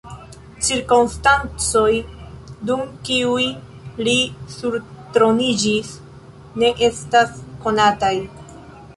Cirkonstancoj, dum kiuj li surtroniĝis, ne estas konataj.